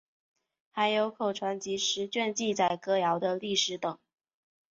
还有口传集十卷记载歌谣的历史等。